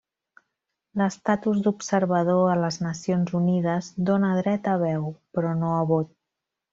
L'estatus d'observador a les Nacions Unides dóna dret a veu, però no a vot.